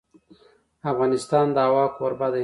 افغانستان د هوا کوربه دی.